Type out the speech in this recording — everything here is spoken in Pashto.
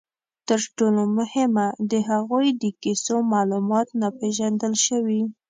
تر ټولو مهمه، د هغوی د کیسو معلومات ناپېژندل شوي.